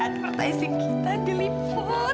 advertising kita diliput